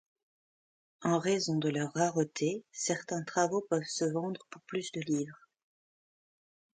En raison de leur rareté, certains travaux peuvent se vendre pour plus de livres.